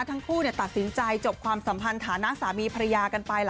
ทั้งคู่ตัดสินใจจบความสัมพันธ์ฐานะสามีภรรยากันไป